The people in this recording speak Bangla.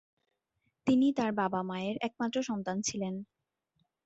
তিনি তার বাবা-মায়ের একমাত্র সন্তান ছিলেন।